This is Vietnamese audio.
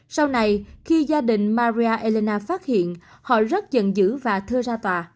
sau này khi gia đình maria elena phát hiện họ rất giận dữ và thơ ra tòa